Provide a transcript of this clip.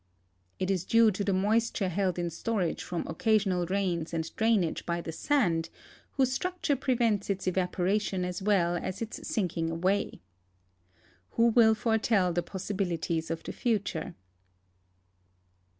It is due to the moisture held in storage from occasional rains and drainage by the sand, whose structure prevents its evaporation as well as its sinking aw^ay. Who will foretell the possibilities of the future?